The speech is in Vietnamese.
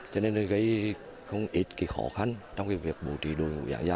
cho nên nó gây không ít cái khó khăn trong cái việc bố trí đồ